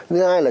thứ hai là